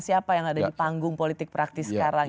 siapa yang ada di panggung politik praktis sekarang